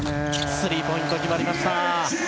スリーポイント決まりました。